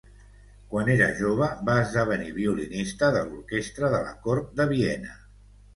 Quan era jove, va esdevenir violinista de l'orquestra de la cort de Viena.